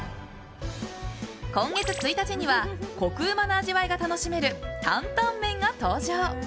今月１日にはコクうまな味わいが楽しめる担々麺が登場。